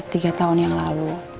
tiga tahun yang lalu